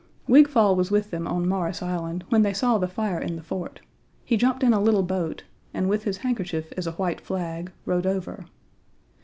Wigfall was with them on Morris Island when they saw the fire in the fort; he jumped in a little boat, and with his handkerchief as a white flag, rowed over.